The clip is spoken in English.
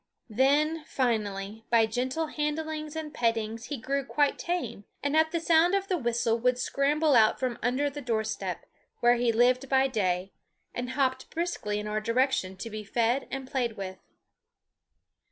Then, finally, by gentle handlings and pettings he grew quite tame, and at the sound of the whistle would scramble out from under the door step, where he lived by day, and hop briskly in our direction to be fed and played with.